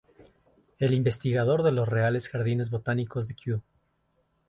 Es investigador en los Reales Jardines Botánicos de Kew.